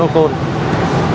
mà điều khiển xe